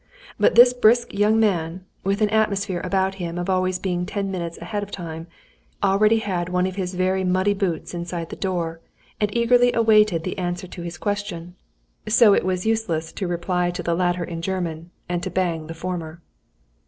But this brisk young man, with an atmosphere about him of always being ten minutes ahead of time, already had one of his very muddy boots inside the door, and eagerly awaited the answer to his question; so it was useless to reply to the latter in German, and to bang the former.